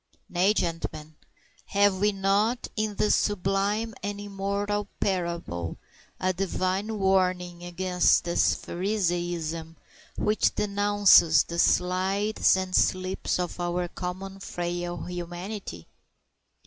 Nay, gentlemen, have we not in this sublime and immortal parable a Divine warning against this Phariseeism which denounces the slides and slips of our common frail humanity?